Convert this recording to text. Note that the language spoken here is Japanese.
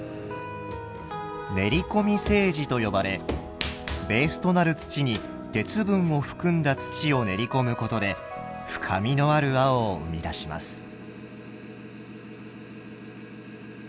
練り込み青磁と呼ばれベースとなる土に鉄分を含んだ土を練り込むことで深みのある青を生み出します。